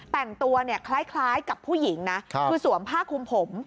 แต่งตัวเนี่ยคล้ายกับผู้หญิงนะคือสวมผ้าคุมผม